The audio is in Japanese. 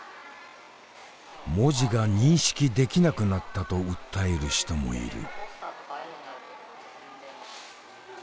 文字が認識できなくなったと訴える人もいる。